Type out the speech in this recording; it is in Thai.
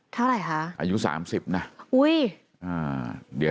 เท่าไหร่ค่ะอายุ๓๐นะอุ้ย